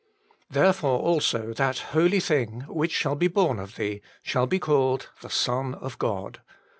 Therefore also that holy thing which shall be born of thee shall be called the Son of God.'